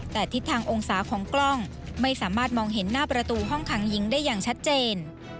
แต่ทิศทางองศาของกล้องไม่สามารถมองเห็นหน้าประตูห้องขังหญิงได้อย่างชัดเจน